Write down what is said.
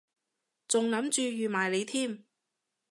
仲諗住預埋你添